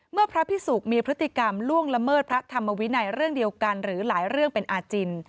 พระพิสุกมีพฤติกรรมล่วงละเมิดพระธรรมวินัยเรื่องเดียวกันหรือหลายเรื่องเป็นอาจิน